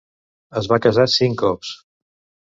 Es va casar cinc cops.